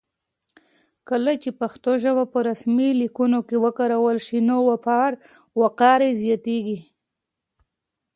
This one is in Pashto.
کله چې پښتو ژبه په رسمي لیکونو کې وکارول شي نو وقار یې زیاتېږي.